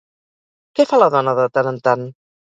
Què fa la dona de tant en tant?